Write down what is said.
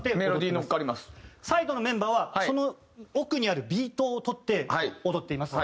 サイドのメンバーはその奥にあるビートを取って踊っています。